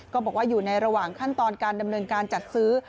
ก็บอกว่าอยู่ในระหว่างขั้นตอนการดำเนินการจัดซื้อ